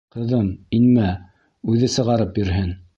Ҡыҙым, инмә, үҙе сығарып бирһен!